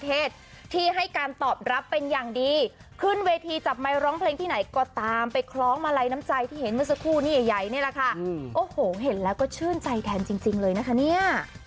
ตามไปคล้องมาลัยน้ำใจที่เห็นเมื่อสักครู่นี้ใหญ่นี่แหละค่ะโอ้โหเห็นแล้วก็ชื่นใจแทนจริงเลยนะคะเนี่ย